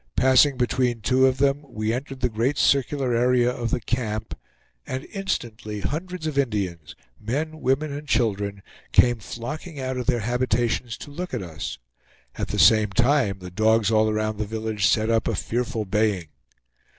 Passing between two of them, we entered the great circular area of the camp, and instantly hundreds of Indians, men, women and children, came flocking out of their habitations to look at us; at the same time, the dogs all around the village set up a fearful baying.